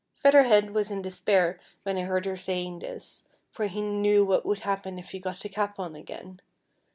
Feather Head was in despair when he heard her say 244 FEATHER HEAD. ing this, for he knew what would happen if he got the cap on again.